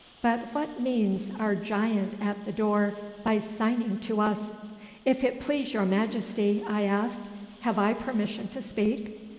But what means our giant at the door by signing to us?' 'If it please your Majesty,' I asked, 'have I permission to speak?